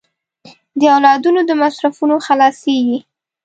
د اولادونو د مصرفونو خلاصېږي.